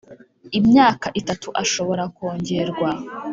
imyaka itatu ashobora kongerwa.